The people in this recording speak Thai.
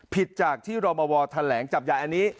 ผิดจากที่รอมวแถลงจับยายอันนี้